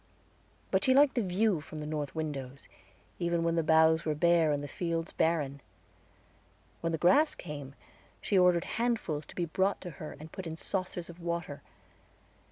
But she liked the view from the north windows, even when the boughs were bare and the fields barren. When the grass came, she ordered handfuls to be brought her and put in saucers of water.